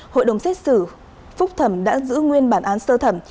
hội đồng xét xử phúc thẩm đã giữ nguyên bản án sơ thẩm